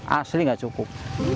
ya ini enggak cukup